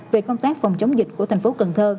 về công tác phòng chống dịch của tp cn